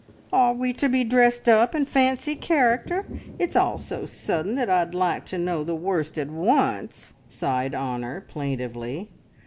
"Are we to be dressed up in fancy character? It's all so sudden that I'd like to know the worst at once," sighed Honor plaintively.